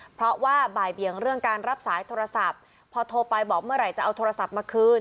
เพราะว่าบ่ายเบียงเรื่องการรับสายโทรศัพท์พอโทรไปบอกเมื่อไหร่จะเอาโทรศัพท์มาคืน